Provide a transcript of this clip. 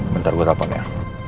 bentar gue telepon ya